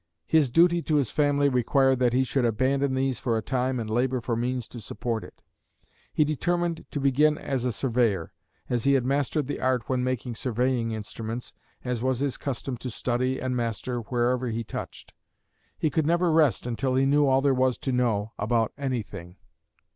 His duty to his family required that he should abandon these for a time and labor for means to support it. He determined to begin as a surveyor, as he had mastered the art when making surveying instruments, as was his custom to study and master wherever he touched. He could never rest until he knew all there was to know about anything.